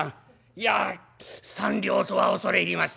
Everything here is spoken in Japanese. いや３両とは恐れ入りましたな」。